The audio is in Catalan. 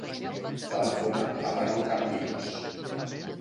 Telefona a l'Aron Campillos.